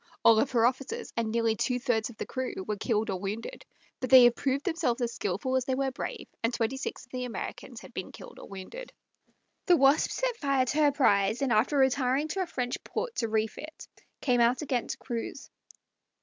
All of her officers, and nearly two thirds of the crew, were killed or wounded; but they had proved themselves as skilful as they were brave, and twenty six of the Americans had been killed or wounded. The Wasp set fire to her prize, and after retiring to a French port to refit, came out again to cruise.